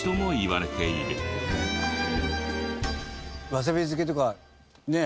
わさび漬けとかね。